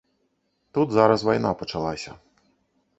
Тут зараз вайна пачалася.